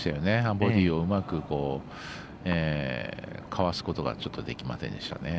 ボディーをうまくかわすことがちょっとできませんでしたね。